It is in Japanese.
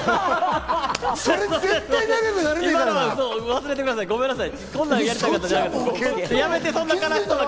忘れてください、ごめんなさい。